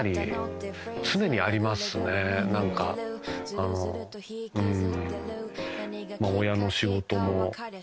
あのうーん。